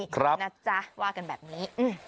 ครับนะจ๊ะว่ากันแบบนี้